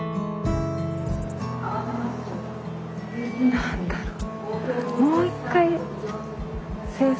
何だろう。